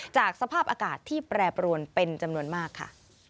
สภาพอากาศที่แปรปรวนเป็นจำนวนมากค่ะ